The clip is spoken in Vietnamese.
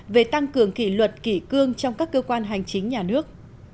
về tăng cường kỷ luật kỷ cương trong các cơ quan hành chính nhà nước